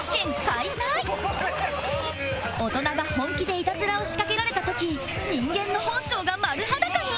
大人が本気でいたずらを仕掛けられた時人間の本性が丸裸に